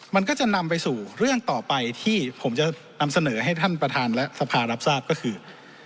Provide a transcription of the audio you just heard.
มันก็จะนำไปสู่เรื่องต่อไปที่ผมจะนำเสนอให้ท่านประธานและสภารับทราบก็คือ